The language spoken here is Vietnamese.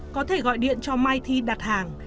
có thể gọi điện cho mai thi đặt hàng